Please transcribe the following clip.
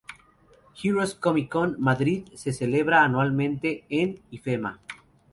Heroes Comic Con Madrid se celebra anualmente en Ifema.